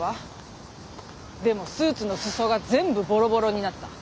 でもスーツの裾が全部ボロボロになった。